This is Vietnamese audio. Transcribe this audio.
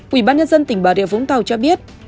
quỹ bán nhân dân tỉnh bà rịa vũng tàu cho biết